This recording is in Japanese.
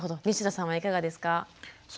西田さんはいかがですか？